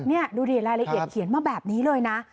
นี่ดูดิรายละเอียดเขียนมาแบบนี้เลยนะ